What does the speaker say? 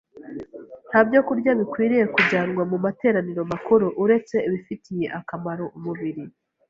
Nta byokurya bikwiriye kujyanwa mu materaniro makuru uretse ibifitiye akamaro umubiri